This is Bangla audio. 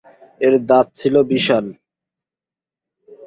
এর দাঁত ছিল বিশাল।